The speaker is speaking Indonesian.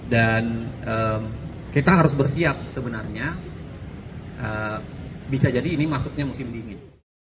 dan kita harus bersiap sebenarnya bisa jadi ini masuknya musim dingin